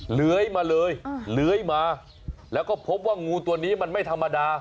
เลื้อยมาเลยเลื้อยมาแล้วก็พบว่างูตัวนี้มันไม่ธรรมดา